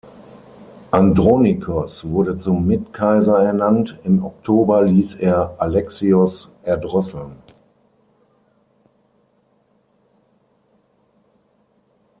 Andronikos wurde zum Mitkaiser ernannt, im Oktober ließ er Alexios erdrosseln.